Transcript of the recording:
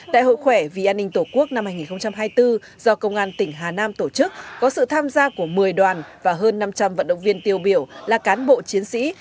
đại hội khỏe vì an ninh tổ quốc năm hai nghìn hai mươi bốn do công an tỉnh hà nam tổ chức có sự tham gia của một mươi đoàn và hơn năm trăm linh vận động viên tiêu biểu là cán bộ chiến sĩ